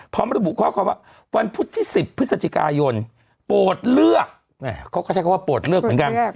พร้อมระบุข้อความว่าวันพุธที่๑๐พฤศจิกายนโปรดเลือกเขาก็ใช้คำว่าโปรดเลือกเหมือนกัน